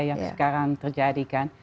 yang sekarang terjadikan